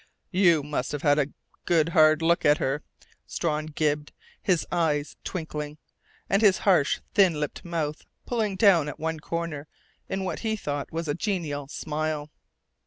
"You must have had a good hard look at her," Strawn gibed, his grey eyes twinkling, and his harsh, thin lipped mouth pulling down at one corner in what he thought was a genial smile.